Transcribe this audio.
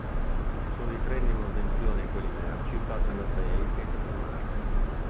Solo i treni di manutenzione e quelli merci passano da Bray senza fermarsi.